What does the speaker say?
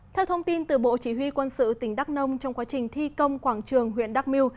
theo thông tin từ bộ chỉ huy quân sự tỉnh đắk nông trong quá trình thi công quảng trường huyện đắk miêu